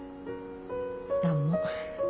何も。